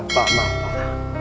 pak maaf pak